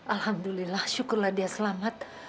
alhamdulillah syukurlah dia selamat